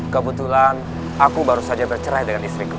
kebetulan aku baru saja bercerai dengan istriku